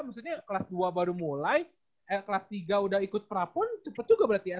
maksudnya kelas dua baru mulai kelas tiga udah ikut prapun cepet juga berarti ya